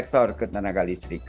yang pertamanya contoh